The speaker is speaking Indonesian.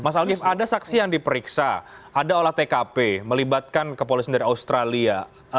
mas algif ada saksi yang diperiksa ada olah tkp melibatkan kepolisian dari australia